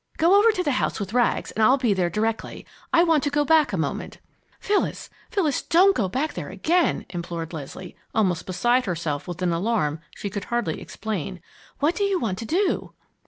Go over to the house with Rags and I'll be there directly. I want to go back a moment." "Phyllis, Phyllis, don't go back there again!" implored Leslie, almost beside herself with an alarm she could hardly explain. "What do you want to do?"